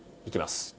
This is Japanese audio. いきます。